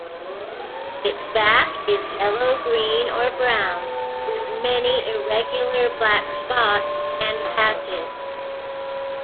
Its back is yellow, green, or brown, with many irregular black spots and patches.